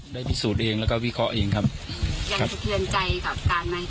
ได้พิสูจน์เองแล้วก็วิเคราะห์เองครับครับยังคิดเต็มใจกับการใหม่